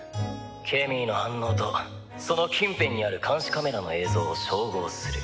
「ケミーの反応とその近辺にある監視カメラの映像を照合する」